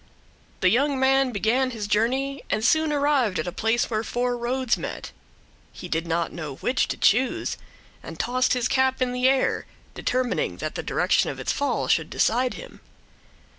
The young man began his journey and soon arrived at a place where four roads met. He did not know which to choose, and tossed his cap in the air, determining that the direction of its fall should decide him.